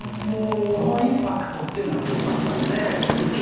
そのインパクトっていうのがすごかったんで一気にメジャーになった。